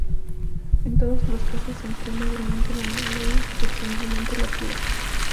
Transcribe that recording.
En todos los casos se empleó mayormente, la madera y excepcionalmente la piedra.